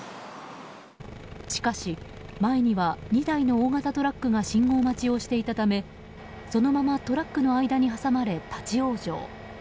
しかし前には２台の大型トラックが信号待ちをしてたためそのままトラックの間に挟まれ立ち往生。